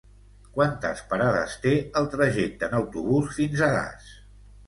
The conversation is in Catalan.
Quantes parades té el trajecte en autobús fins a Das?